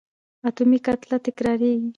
اتومي کتله تکرارېږي.